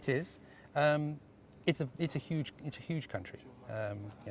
ini adalah negara yang besar